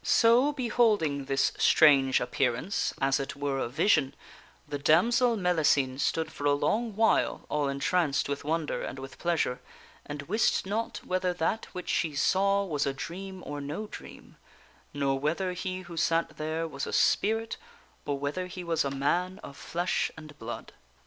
So, beholding this strange appearance as it were a vision the damsel Mellicine stood for a long while, all entranced with wonder and with pleas ure, and wist not whether that which she saw was a dream or no dream, nor whether he who sat there was a spirit, or whether he was a man of flesh and blood.